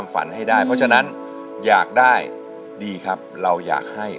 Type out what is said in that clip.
ยังไม่ทันร้องเลยฝันมาแล้วอยากได้ดีครับเราอยากให้